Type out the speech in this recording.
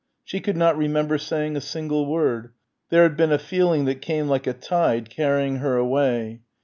She could not remember saying a single word. There had been a feeling that came like a tide carrying her away.